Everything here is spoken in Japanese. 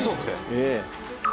ええ。